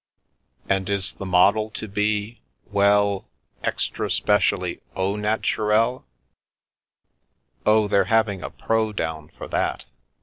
"And is the model to be — well, extra specially au naturir " "Oh, they're having a 'pro' down for that.